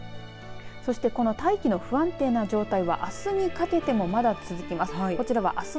そしてこの大気の不安定な状態はあすにかけてもまだ続きます。